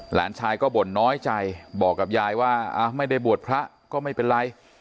หลานชายก็บ่นน้อยใจบอกกับยายว่าไม่ได้บวชพระก็ไม่เป็นไร